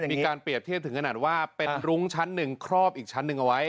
มีการเปรียบเทียบถึงขนาดว่าเป็นรุ้งชั้นหนึ่งครอบอีกชั้นหนึ่งเอาไว้